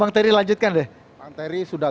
bang terry lanjutkan deh bang terry sudah